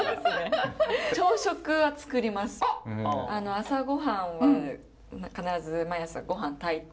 朝ごはんは必ず毎朝ごはん炊いて。